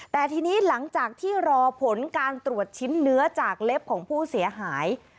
แต่ทีนี้หลังจากที่รอผลการตรวจชิ้นเนื้อจากเล็บของผู้เสียหาย